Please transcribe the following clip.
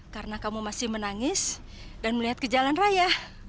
karena kamu masih menangis dan melihat ke jalan raya